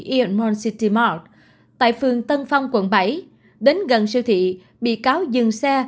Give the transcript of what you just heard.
yen mon city mart tại phường tân phong quận bảy đến gần siêu thị bị cáo dừng xe